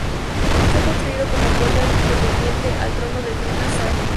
Fue construido como apoyo al pretendiente al trono de Crimea Şahin Giray.